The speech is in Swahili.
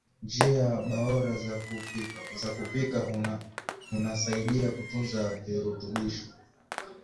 njia baora za kupika hunasaidia kutunza virutubisho